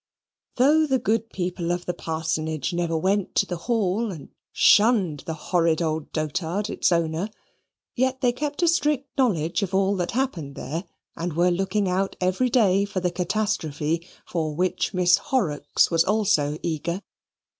Though the good people of the Parsonage never went to the Hall and shunned the horrid old dotard its owner, yet they kept a strict knowledge of all that happened there, and were looking out every day for the catastrophe for which Miss Horrocks was also eager.